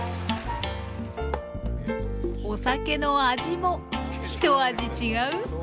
お酒の味もひと味違う？